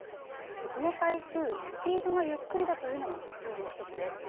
この台風、スピードがゆっくりだというのが特徴の一つです。